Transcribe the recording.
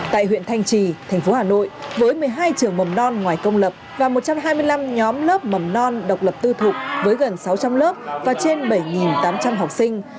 tại huyện thanh trì thành phố hà nội với một mươi hai trường mầm non ngoài công lập và một trăm hai mươi năm nhóm lớp mầm non độc lập tư thục với gần sáu trăm linh lớp và trên bảy tám trăm linh học sinh